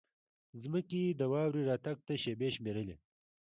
ځمکې د واورې راتګ ته شېبې شمېرلې.